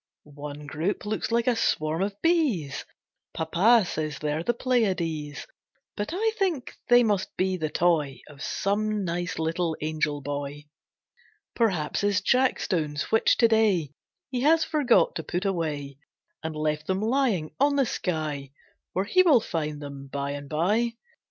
One group looks like a swarm of bees, Papa says they're the Pleiades; But I think they must be the toy Of some nice little angel boy. Perhaps his jackstones which to day He has forgot to put away, And left them lying on the sky Where he will find them bye and bye.